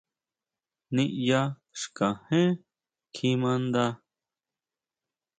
Niyá xkajen kjimaʼnda.